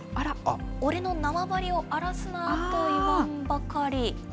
俺の縄張りを荒らすなと言わんばかり。